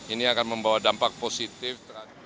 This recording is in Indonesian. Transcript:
ini akan membawa dampak positif